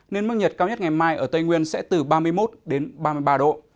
nên mức nhiệt cao nhất ngày mai ở tây nguyên sẽ từ ba mươi một đến ba mươi ba độ